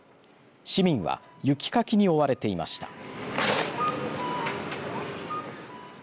市民は雪かきに追われていました。